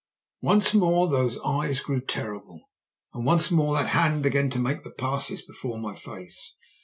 "Once more those eyes grew terrible, and once more that hand began to make the passes before my face.